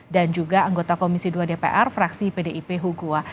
dan juga anggota komisi dua dpr fraksi pdip hugua